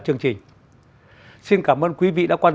chương trình xin cảm ơn quý vị đã quan